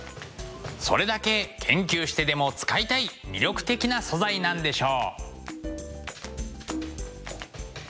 それだけ研究してでも使いたい魅力的な素材なんでしょう！